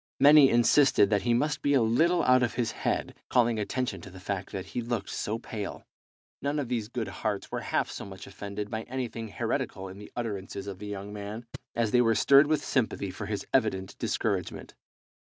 Many insisted that he must be a little out of his head, calling attention to the fact that he looked so pale. None of these good hearts were half so much offended by anything heretical in the utterances of the young man as they were stirred with sympathy for his evident discouragement.